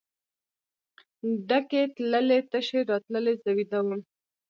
ډکې تللې تشې راتللې زه ویده وم.